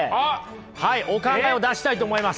はいお考えを出したいと思います。